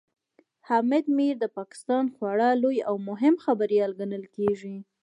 حامد میر د پاکستان خورا لوی او مهم خبريال ګڼل کېږي